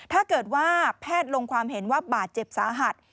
ถ้าเกิดว่าแพทย์ลงความเห็นว่าบาดเจ็บสาหัส